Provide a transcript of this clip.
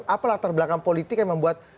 apalah terbelakang politik yang membuat